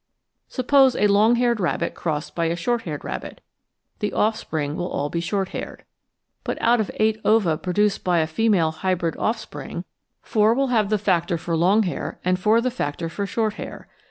Suppose a long haired rabbit crossed by a short haired rabbit, the offspring will be all short haired. But out of eight ova produced by a female hybrid offspring, four will have the factor for long hau* and four the factor for short hau*.